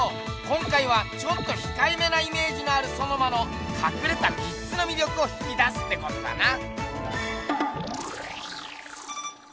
今回はちょっとひかえめなイメージのあるソノマのかくれた３つのみりょくを引き出すってことだな。